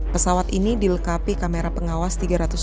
pesawat ini dilengkapi kamera pengawas tiga ratus sembilan puluh